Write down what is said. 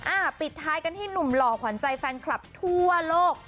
ปิดท้ายกันที่หนุ่มหล่อขวัญใจแฟนคลับทั่วโลก